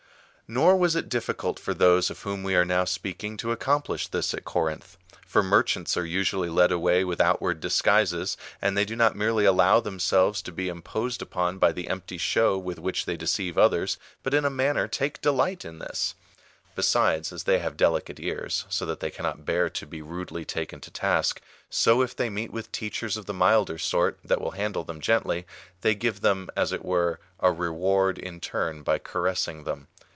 Nor was it difficult for those of whom we are now speak ing to accomplish this at Corinth. For merchants are usually led away with outward disguises, and they do not merely allow themselves to be imposed upon by the empty ^" Ces babiles docteurs, et plaisans harangueurs ;"—" Those expert teachers and pleasant orators." 40 THE ARGUMENT ON THE sliow with vvliicli they deceive others, but in a manner take delight in this. Besides, as they have delicate ears, so that they cannot bear to be rudely taken to task, so if they meet with teachers of the milder sort, that will handle them gently, they give them, as it were, a reward in turn by caressing tliem.